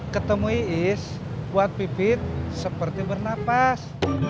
ketemu is buat pipit seperti bernapas